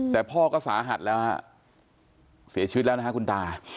แต่พ่อก็สาหัสแล้วฮะเสียชีวิตแล้วนะฮะคุณตา